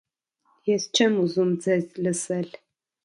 - Ես չեմ ուզում ձեզ լսել: